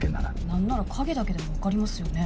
何なら影だけでも分かりますよね